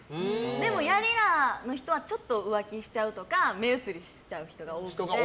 でも、やりらの人はちょっと浮気しちゃうとか目移りしちゃう人が多くて。